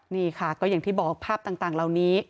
นี่ค่ะก็อย่างที่บอกภาพต่างเหล่านี้